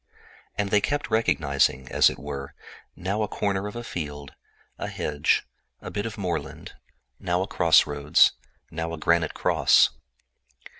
They kept on recognizing, as it were, now a corner of a field, a hedge, a bit of moorland, now a crossroad, now a granite cross.